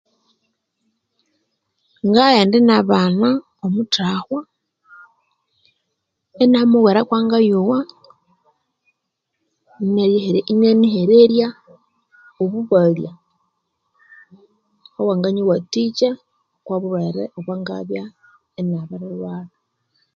Ngaghenda inabana omutahwa inamubwira kwangayowa inianihererya obubalya obwanganyiwatikya okwabulhwere obwangabya inabirilhwalha